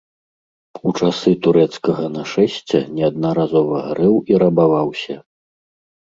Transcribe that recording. У часы турэцкага нашэсця неаднаразова гарэў і рабаваўся.